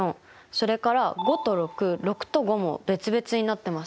それから５と６６と５も別々になってますよね。